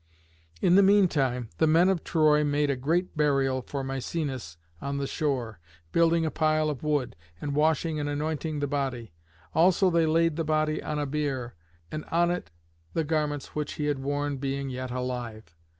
In the mean time the men of Troy made a great burial for Misenus on the shore, building a pile of wood, and washing and anointing the body. Also they laid the body on a bier, and on it the garments which he had worn being yet alive.